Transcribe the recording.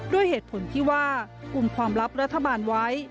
ด้วยเหตุผลที่ว่ากลุ่มความลับรัฐบาลไว้